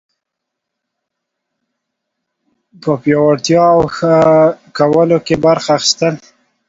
په پیاوړتیا او ښه کولو کې برخه اخیستل